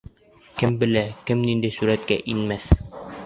Кем белә, кем ниндәй сүрәткә инмәҫ?